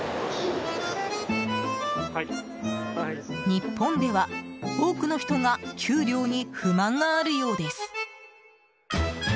日本では多くの人が給料に不満があるようです。